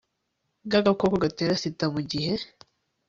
bw agakoko gatera sida mu gihe